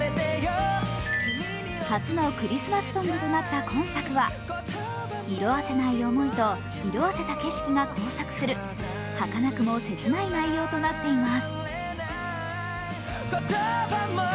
初のクリスマスソングとなった今作は色あせない思いと色あせた景色が交錯するはかなくも切ない内容となっています。